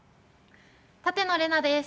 舘野伶奈です。